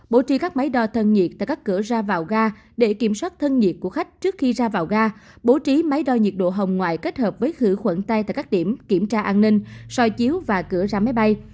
bố trí các máy đo thân nhiệt tại các cửa ra vào ga để kiểm soát thân nhiệt của khách trước khi ra vào ga bố trí máy đo nhiệt độ hồng ngoại kết hợp với khử khuẩn tay tại các điểm kiểm tra an ninh soi chiếu và cửa ra máy bay